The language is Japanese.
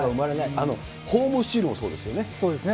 あのホームスチールもそうですよね。